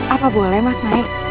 apa boleh mas naik